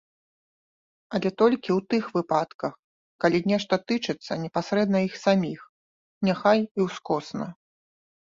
Але толькі ў тых выпадках, калі нешта тычыцца непасрэдна іх саміх, няхай і ўскосна.